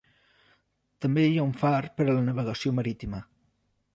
També hi ha un far per a la navegació marítima.